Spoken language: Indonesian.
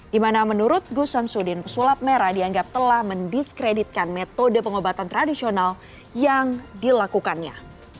di mana menurut gus samsudin pesulap merah dianggap telah mendiskreditkan metode pengobatan tradisional yang dilakukannya